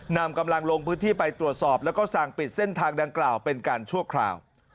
นำกำลังลงพื้นที่ไปตรวจสอบแล้วก็สั่งปิดเส้นทางดังกล่าวเป็นการชั่วคราว